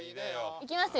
いきますよ。